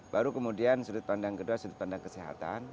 baru kemudian sudut pandang kedua sudut pandang kesehatan